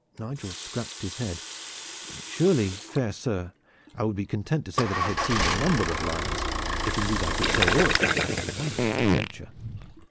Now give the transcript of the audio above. Nigel scratched his head. "Surely, fair sir, I would be content to say that I had seen a number of lions, if indeed I could say aught after so wondrous an adventure."